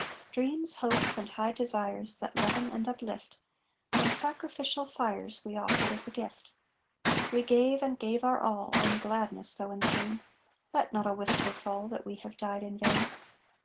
Dreams, hopes, and high desires, That leaven and uplift, On sacrificial fires We offered as a gift. We gave, and gave our all, In gladness, though in pain; Let not a whisper fall That we have died in vain!